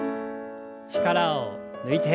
力を抜いて。